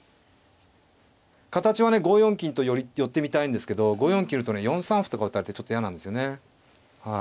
形はね５四金と寄ってみたいんですけど５四金寄るとね４三歩とか打たれてちょっと嫌なんですよねはい。